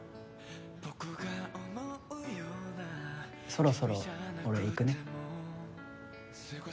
そろそろ俺行くね。